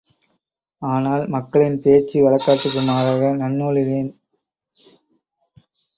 ஆனால், மக்களின் பேச்சு வழக்காற்றுக்கு மாறாக, நன்னூலில் ஏன் தொல்காப்பியத்திலுங்கூட, சில புணர்ச்சி விதிகள் கூறப்பட்டுள்ளன.